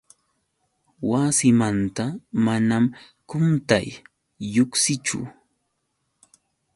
Wasimanta manam quntay lluqsinchu.